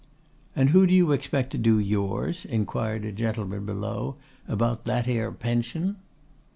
'And who do you expect to do yours?' inquired a gentleman below, 'about that 'ere pension?